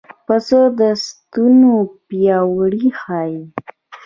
پسه د سنتو پیروي ښيي.